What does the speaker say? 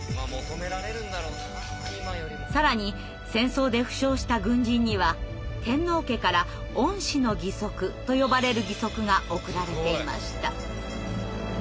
更に戦争で負傷した軍人には天皇家から「恩賜の義足」と呼ばれる義足が贈られていました。